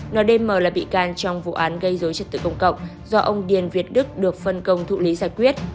ndmm là bị can trong vụ án gây dối trật tự công cộng do ông điền việt đức được phân công thụ lý giải quyết